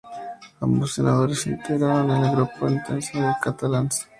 Ambos senadores se integraron en el grupo Entesa dels Catalans.